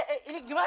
eh eh ini gimana